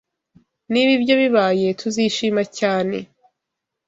Niba ibyo bibaye, TUZIshima cyane.